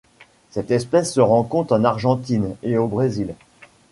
Cette espèce se rencontre en Argentine et au Brésil.